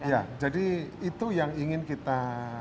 ya jadi itu yang ingin kita